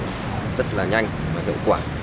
nó rất là nhanh và hiệu quả